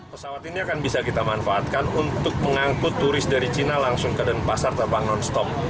pesawat ini akan bisa kita manfaatkan untuk mengangkut turis dari cina langsung ke denpasar tanpa non stop